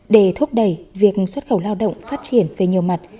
để thúc đẩy việc xuất khẩu lao động phát triển về nhiều mặt